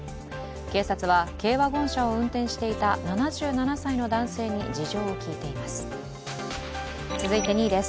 警察は軽ワゴン車を運転していた７７歳の男性に事情を聴いています。